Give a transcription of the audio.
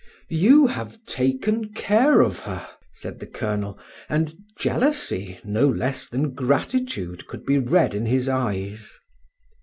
"You have taken care of her!" said the colonel, and jealousy no less than gratitude could be read in his eyes.